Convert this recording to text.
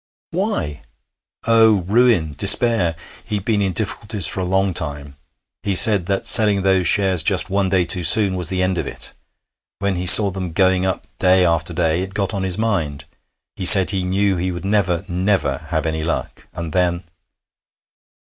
'Why?' 'Oh, ruin, despair! He'd been in difficulties for a long time. He said that selling those shares just one day too soon was the end of it. When he saw them going up day after day, it got on his mind. He said he knew he would never, never have any luck. And then